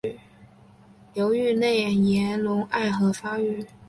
流域内岩溶暗河发育。